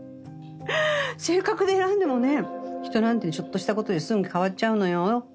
性格で選んでもね人なんてちょっとした事ですぐ変わっちゃうのよ。